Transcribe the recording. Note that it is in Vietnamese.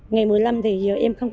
ngày một mươi năm thì em không có